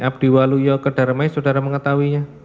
dari abdiwaluyo ke darmais saudara mengetahuinya